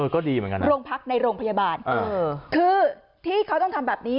ก็ดีเหมือนกันนะเออเออคือที่เขาต้องทำแบบนี้